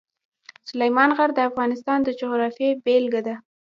سلیمان غر د افغانستان د جغرافیې بېلګه ده.